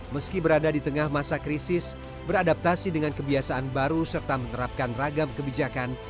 meski berada di tengah masa krisis beradaptasi dengan kebiasaan baru serta menerapkan ragam kebijakan